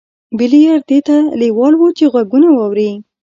بليير دې ته لېوال و چې غږونه واوري.